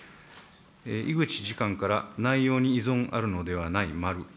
井口次官からは内容に依存あるのではない、まる。